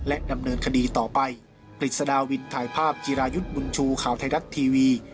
ดำเนินคดีต่อไปกฤษฎาวินถ่ายภาพจิรายุทธ์บุญชูข่าวไทยรัฐทีวี